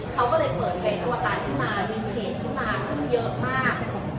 เขาก็เลยเปิดเพลงอวตาขึ้นมามีเพจขึ้นมาซึ่งเยอะมาก